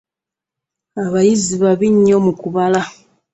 Abayizi babi nnyo mu kubala.